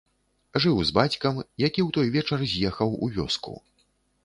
Жыў з бацькам, які ў той вечар з'ехаў у вёску.